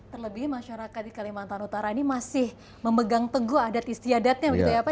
terlebih masyarakat di kalimantan utara ini masih memegang teguh adat istiadatnya